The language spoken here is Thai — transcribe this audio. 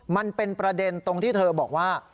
มันเป็นประเด็นตรงที่เธอบอกว่า